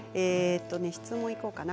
質問、いこうかな。